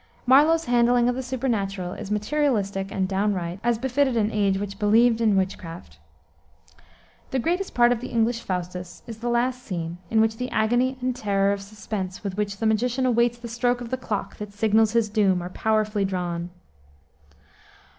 Marlowe's handling of the supernatural is materialistic and downright, as befitted an age which believed in witchcraft. The greatest part of the English Faustus is the last scene, in which the agony and terror of suspense with which the magician awaits the stroke of the clock that signals his doom are powerfully drawn.